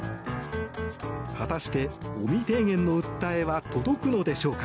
果たして、尾身提言の訴えは届くのでしょうか。